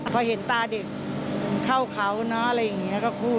พอเห็นตาเด็กเข้าเขาเนอะอะไรอย่างนี้ก็พูด